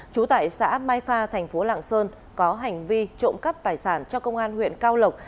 trú tại xã mai pha thành phố lạng sơn có hành vi trộm cắp tài sản cho công an huyện cao lộc